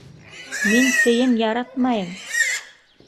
Мин сейен яратмайым!